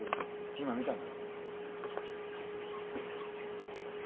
今見たんだ。